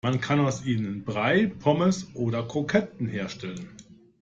Man kann aus ihnen Brei, Pommes oder Kroketten herstellen.